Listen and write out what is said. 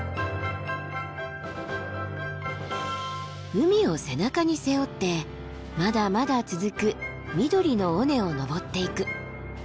海を背中に背負ってまだまだ続く緑の尾根を登っていく。